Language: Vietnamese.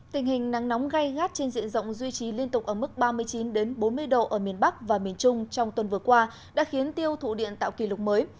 tình hình nắng nóng gây gắt trên diện rộng duy trì liên tục ở mức ba mươi chín bốn mươi độ ở miền bắc và miền trung trong tuần vừa qua đã khiến tiêu thụ điện tạo kỷ lục mới